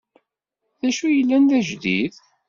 Dacu i yellan d ajdid?